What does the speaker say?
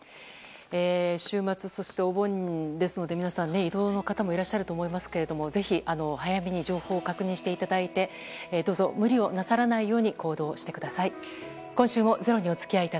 週末そして、お盆ですので皆さん移動の方もいらっしゃると思いますがぜひ、早めに情報を確認していただいてどうぞ無理をなさらないように行動してください。